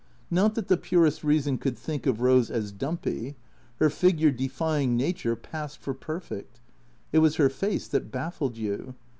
Not that the purest reason could think of Eose as dumpy. Her figure, defying nature, passed for perfect. It was her face that baffled you.